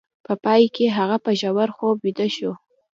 په پای کې هغه په ژور خوب ویده شو